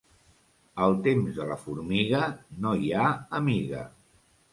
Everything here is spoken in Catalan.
Al temps de la formiga, no hi ha amiga.